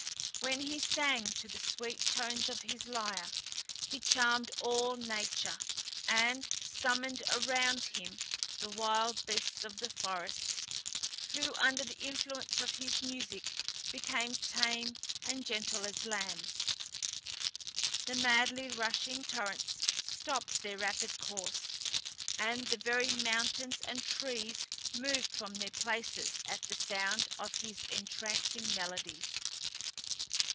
When he sang to the sweet tones of his lyre, he charmed all nature, and summoned round him the wild beasts of the forests, who, under the influence of his music, became tame and gentle as lambs. The madly rushing torrents stopped their rapid course, and the very mountains and trees moved from their places at the sound of his entrancing melodies.